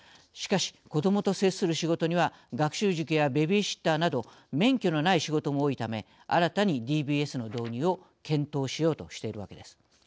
しかし、子どもと接する仕事には学習塾やベビーシッターなど免許のない仕事も多いため新たにＤＢＳの導入を検討しようとしているわけです。